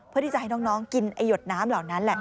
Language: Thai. เพื่อที่จะให้น้องกินไอ้หยดน้ำเหล่านั้นแหละ